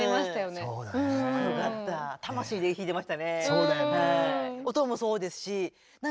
そうだよね。